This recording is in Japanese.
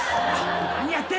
何やってんだ！